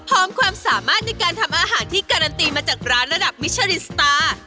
ความสามารถในการทำอาหารที่การันตีมาจากร้านระดับมิชลินสตาร์